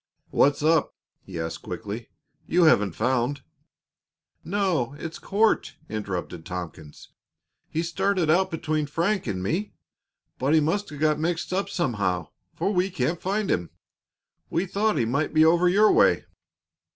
"What's up?" he asked quickly. "You haven't found " "No; it's Court," interrupted Tompkins. "He started out between Frank and me, but he must have got mixed up somehow, for we can't find him. We thought he might be over your way."